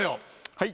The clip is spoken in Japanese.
はい。